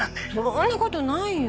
そんなことないよ。